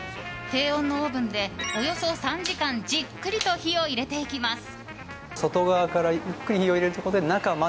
低温のオーブンで、およそ３時間じっくりと火を入れていきます。